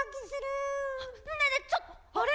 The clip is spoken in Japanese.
ねえねえちょっとあれ！